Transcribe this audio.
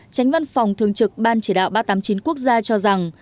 tránh văn phòng thường trực ban chỉ đạo ba trăm tám mươi chín quốc gia cho rằng